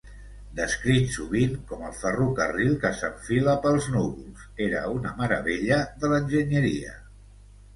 Descrit sovint com "el ferrocarril que s'enfila pels núvols", era una meravella de l'enginyeria.